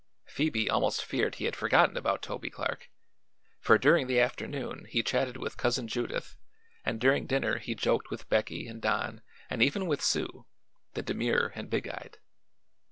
Phoebe almost feared he had forgotten about Toby Clark, for during the afternoon he chatted with Cousin Judith and during dinner he joked with Becky and Don and even with Sue, the demure and big eyed.